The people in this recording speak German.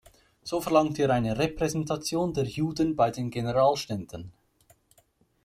So verlangte er eine Repräsentation der Juden bei den Generalständen.